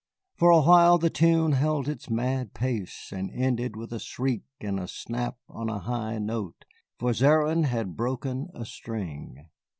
For a while the tune held its mad pace, and ended with a shriek and a snap on a high note, for Zéron had broken a string.